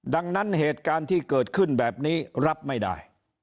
ดังนั้นเหตุการณ์ที่เกิดขึ้นแบบนี้รับไม่ได้